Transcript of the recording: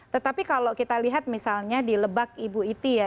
tetapi kalau kita lihat misalnya di lebak ibu iti ya